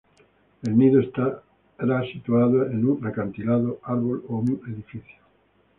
El nido estará situado en un acantilado, árbol o un edificio.